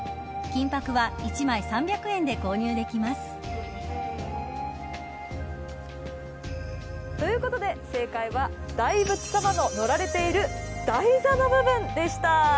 金箔は１枚３００円でということで正解は大仏様の乗られている台座の部分でした。